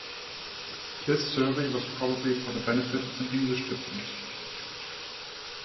This survey was probably for the benefit of an English diplomat.